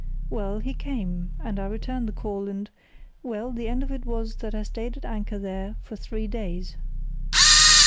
Well, he came, and I returned the call—and—well, the end of it was that I stayed at anchor there for three days."